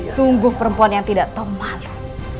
sungguh perempuan yang tidak tahu malu